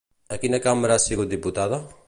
A quina cambra ha sigut diputada?